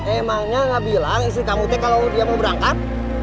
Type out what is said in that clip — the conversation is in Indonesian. emangnya gak bilang istri kamu tuh kalau dia mau berangkat